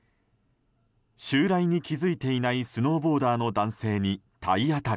襲来に気づいていないスノーボーダーの男性に体当たり。